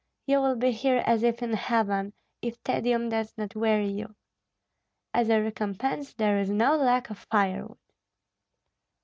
You will be here as if in heaven, if tedium does not weary you. As a recompense there is no lack of firewood."